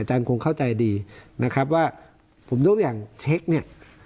อาจารย์คงเข้าใจดีนะครับว่าผมรู้อย่างเนี่ย